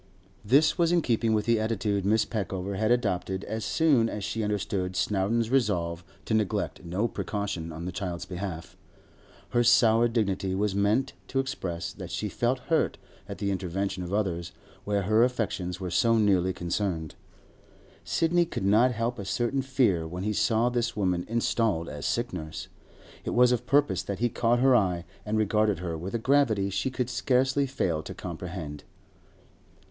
This was in keeping with the attitude Mrs. Peckover had adopted as soon as she understood Snowdon's resolve to neglect no precaution on the child's behalf. Her sour dignity was meant to express that she felt hurt at the intervention of others where her affections were so nearly concerned. Sidney could not help a certain fear when he saw this woman installed as sick nurse. It was of purpose that he caught her eye and regarded her with a gravity she could scarcely fail to comprehend.